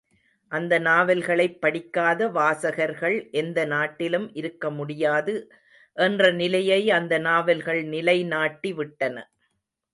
அந்த நாவல்களைப் படிக்காத வாசகர்கள் எந்த நாட்டிலும் இருக்க முடியாது என்ற நிலையை அந்த நாவல்கள் நிலைநாட்டி விட்டன.